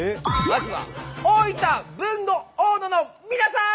まずは大分豊後大野の皆さん！